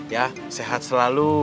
ya sehat selalu